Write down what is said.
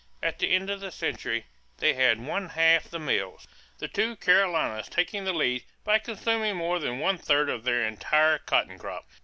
At the end of the century they had one half the mills, the two Carolinas taking the lead by consuming more than one third of their entire cotton crop.